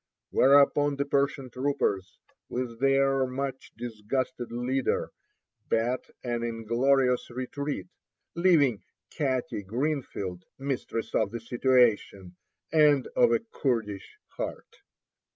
Whereupon the Persian troopers, with their much disgusted leader, beat an inglorious retreat, leaving "Katty Greenfield" mistress of the situation, and of a Kurdish heart.